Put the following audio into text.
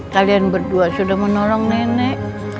kalian berdua sudah menolong nenek